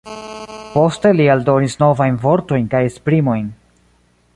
Poste li aldonis novajn vortojn kaj esprimojn.